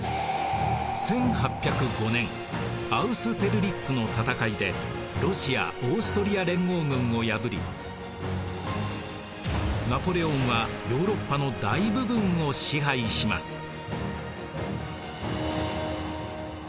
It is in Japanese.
１８０５年アウステルリッツの戦いでロシア・オーストリア連合軍を破りナポレオンはヨーロッパの大部分を支配します。